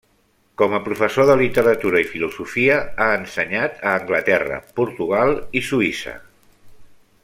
Com a professor de literatura i filosofia, ha ensenyat a Anglaterra, Portugal i Suïssa.